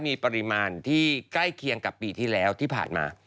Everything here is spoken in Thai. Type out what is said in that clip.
มีปริมาณที่ใกล้เคียงกับปีที่แล้วที่ผ่านมา